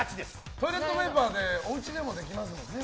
トイレットペーパーでおうちでもできますんでね。